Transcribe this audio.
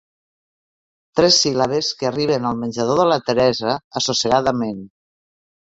Tres síl·labes que arriben al menjador de la Teresa assossegadament.